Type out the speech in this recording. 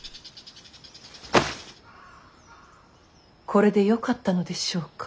これでよかったのでしょうか。